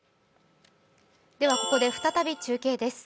ここで再び中継です。